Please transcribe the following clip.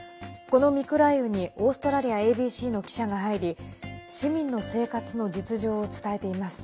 このミコライウにオーストラリアＡＢＣの記者が入り市民の生活の実情を伝えています。